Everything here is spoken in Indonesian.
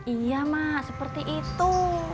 iya mak seperti itu